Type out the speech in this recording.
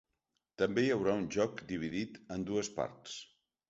També hi haurà un joc dividit en dues parts.